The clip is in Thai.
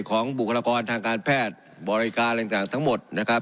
บุคลากรทางการแพทย์บริการอะไรต่างทั้งหมดนะครับ